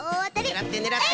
ねらってねらって。